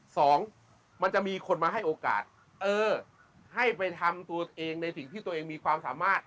สองมันจะมีคนมาให้โอกาสเออให้ไปทำตัวเองในสิ่งที่ตัวเองมีความสามารถ